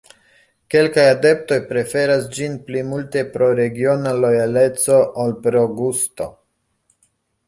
Kelkaj adeptoj preferas ĝin pli multe pro regiona lojaleco ol pro gusto.